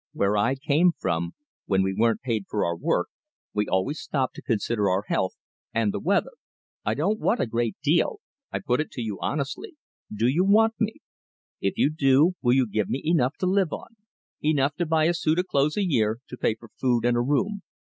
"Where I came from, when we weren't paid for our work we always stopped to consider our health and the weather. I don't want a great deal. I put it to you honestly. Do you want me? If you do, will you give me enough to live on enough to buy a suit of clothes a year, to pay for food and a room?